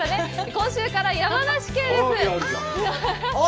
今週から山梨県です！